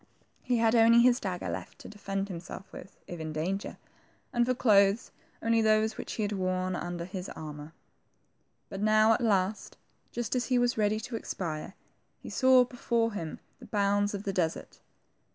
He had only his dagger left to defend himself with, if in danger ; and for clothes, only those which he had worn under his armor. But now at last, just as he was ready to expire, he saw before him the bounds of the desert.